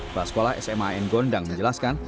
pas sekolah sma n gondang menjelaskan